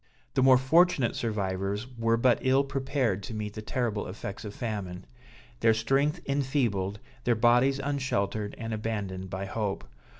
The more fortunate survivors were but ill prepared to meet the terrible effects of famine; their strength enfeebled, their bodies unsheltered and abandoned by hope.